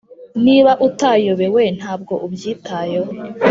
niba utayobewe, ntabwo ubyitayeho.